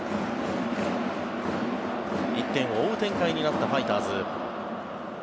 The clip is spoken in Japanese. １点を追う展開になったファイターズ。